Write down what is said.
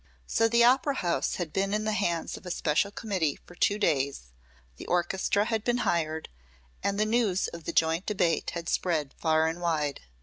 So the Opera House had been in the hands of a special committee for two days, the orchestra had been hired, and the news of the joint debate had spread far and wide.